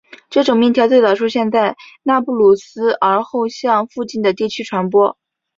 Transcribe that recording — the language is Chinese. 这种面条最早出现在纳布卢斯而后向附近的地区传播。